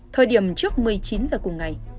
thời điểm trước một mươi chín giờ cùng ngày